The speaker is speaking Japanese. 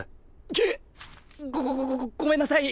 げっごごごごめんなさい。